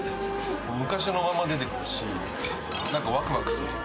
昔のまま出てくるし、なんかわくわくする。